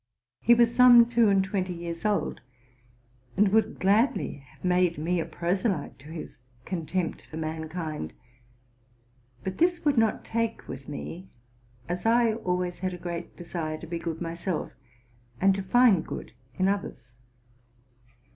He was some two and twenty years old, and would gladly have made me a proselyte to his contempt for mankind; but this would not take with me, as I always had a great desire to be good myself, and to find good in others.